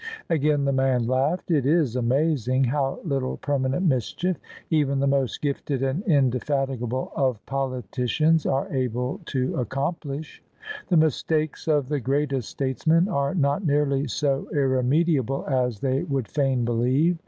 Again the man laughed. " It is amazing how little per manent mischief even the most gifted and indefatigable of politicians are able to accomplish. The mistakes of the greatest statesmen are not nearly so irremediable as they would fain believe.